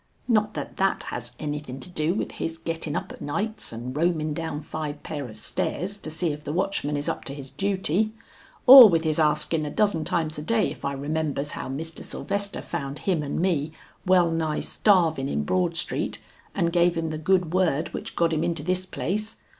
Not that that has anything to do with his gettin up of nights and roamin down five pair of stairs to see if the watchman is up to his duty, or with his askin a dozen times a day if I remembers how Mr. Sylvester found him and me, well nigh starvin in Broad Street, and gave him the good word which got him into this place?